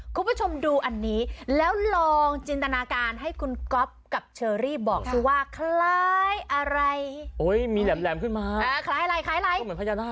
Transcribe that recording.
คุณผู้ชมดูอันนี้แล้วลองจินตนาการให้คุณก๊อบกับเชอรี่บอกคล้ายอะไร